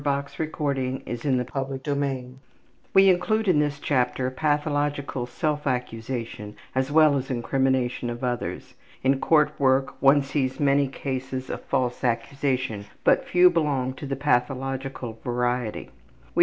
CHAPTER IV CASES OF PATHOLOGICAL ACCUSATION We include in this chapter pathological self accusation as well as incrimination of others. In court work one sees many cases of false accusation, but few belong to the pathological variety.